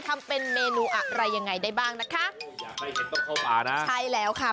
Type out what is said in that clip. ทำเป็นเมนูอะไรยังไงได้บ้างนะคะอยากให้เป็นต้องเข้ามานะใช่แล้วค่ะ